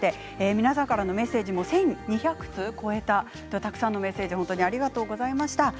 皆さんからのメッセージ１２００通を超えてたくさんのメッセージありがとうございました。